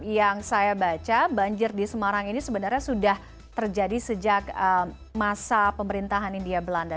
yang saya baca banjir di semarang ini sebenarnya sudah terjadi sejak masa pemerintahan india belanda